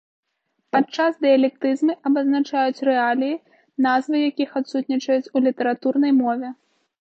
Падчас дыялектызмы абазначаюць рэаліі, назвы якіх адсутнічаюць у літаратурнай мове.